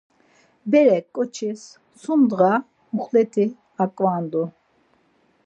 Berek ǩoçis sum ndğa muxlet̆i aǩvandu.